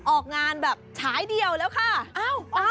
ออกงานแบบฉายเดียวแล้วค่ะ